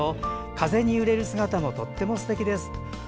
風に揺れる姿もとっても、すてきです。